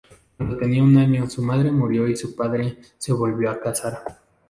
Cuando tenía un año, su madre murió y su padre se volvió a casar.